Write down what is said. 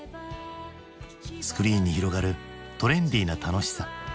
スクリーンに広がるトレンディーな楽しさ。